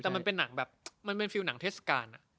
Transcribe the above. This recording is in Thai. แต่มันเป็นหนังแบบมันเป็นฟิลหนังเทศกาล